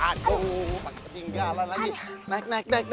aduh masih ketinggalan lagi naik naik naik